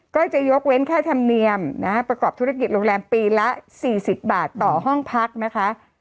ก็จะยกเว้นค่าธรรมเนียมประกอบธุรกิจโรงแรมปีละ๔๐บาทต่อห้องพักนะคะ